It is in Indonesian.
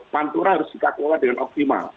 pantura harus kita kelola dengan optimal